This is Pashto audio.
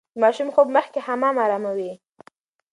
د ماشوم خوب مخکې حمام اراموي.